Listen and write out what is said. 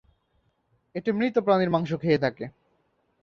এটি মৃত প্রাণীর মাংস খেয়ে থাকে।